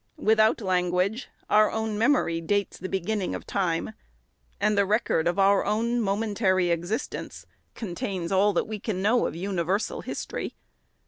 Without language, our own memory dates the beginning of time, and the record of our own momentary existence contains all that we can know of universal history.